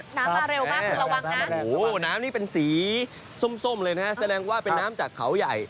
มาเร็วมากคือระวังนะโอ้โหน้ำนี่เป็นสีส้มเลยนะแสดงว่าเป็นน้ำจากเขาใหญ่